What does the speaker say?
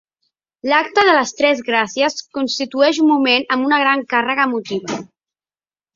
L’Acte de les Tres Gràcies constitueix un moment amb una gran càrrega emotiva.